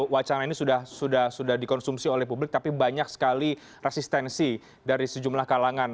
wacana ini sudah dikonsumsi oleh publik tapi banyak sekali resistensi dari sejumlah kalangan